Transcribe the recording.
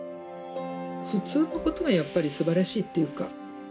普通のことが、やっぱりすばらしいっていうか。